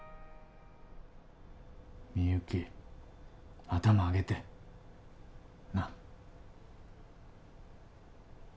みゆき頭上げてなっ！